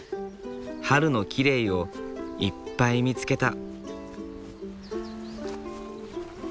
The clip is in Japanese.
春のきれいをいっぱい見つけた。